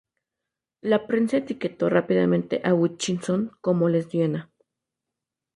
La prensa etiquetó rápidamente a Hutchinson como lesbiana.